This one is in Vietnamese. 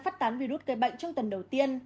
phát tán virus cây bệnh trong tuần đầu tiên